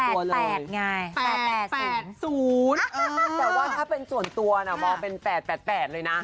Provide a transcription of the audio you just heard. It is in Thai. แต่ว่าถ้าเป็นส่วนตัวนะมองเป็น๘๘เลยนะ